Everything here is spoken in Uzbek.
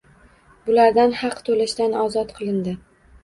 Bulardan haq toʻlashdan ozod qilindi